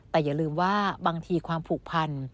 แต่อย่าลืมว่าบางทีความผูกพัน